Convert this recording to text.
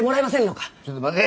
ちょっと待て！